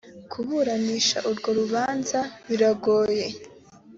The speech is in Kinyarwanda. kuburanisha urwo rubanza biragoye.